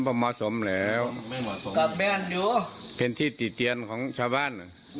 เป็นที่ติเตียนของชาวบ้าน